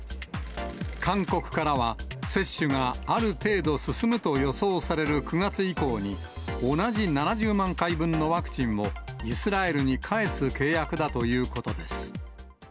韓国からは、接種がある程度進むと予想される９月以降に、同じ７０万回分のワクチンを、イスラエルに返す契約だということです。